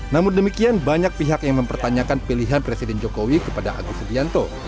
namun demikian banyak pihak yang mempertanyakan pilihan presiden jokowi kepada agus subianto